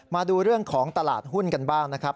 มาดูเรื่องของตลาดหุ้นกันบ้างนะครับ